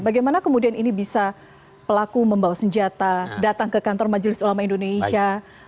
bagaimana kemudian ini bisa pelaku membawa senjata datang ke kantor majelis ulama indonesia